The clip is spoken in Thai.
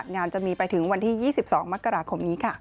งานจะมีไปถึงวันที่๒๒มกราคมนี้ค่ะ